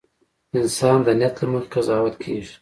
• انسان د نیت له مخې قضاوت کېږي.